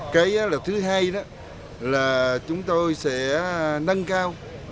cây thứ hai là chúng tôi sẽ nâng cao